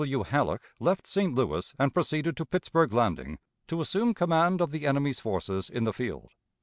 W, Halleck left St. Louis and proceeded to Pittsburg Landing to assume command of the enemy's forces in the field.